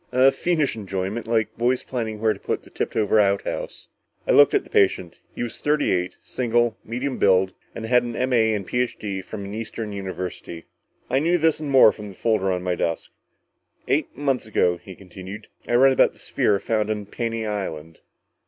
A fiendish enjoyment like boys planning where to put the tipped over outhouse." I looked at the patient. He was thirty eight, single, medium build, had an M.A. and Ph.D. from an eastern university. I knew this and more from the folder on my desk. "Eight months ago," he continued, "I read about the sphere found on Paney Island."